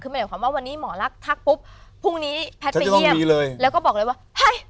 คือไม่ได้ความว่าวันนี้หมอลักษณ์ทักปุ๊บพรุ่งนี้แพทย์ไปเยี่ยมแล้วก็บอกเลยว่าเฮ้ย